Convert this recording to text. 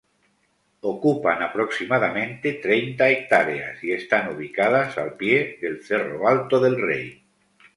Ocupan aproximadamente treinta hectáreas y están ubicadas al pie del cerro Alto del Rey.